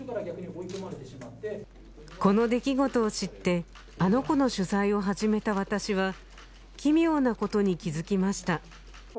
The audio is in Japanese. この出来事を知って「あの子」の取材を始めた私は奇妙なことに気づきました